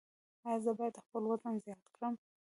ایا زه باید خپل وزن زیات کړم؟